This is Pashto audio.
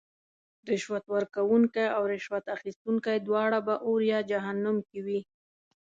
رشوت ورکوونکې او رشوت اخیستونکې دواړه به اور یا جهنم کې وی .